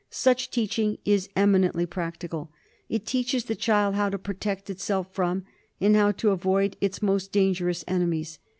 Such teaching is eminently practical. It teaches the child how to protect itself from, and how to avoid its most dangerous enemies.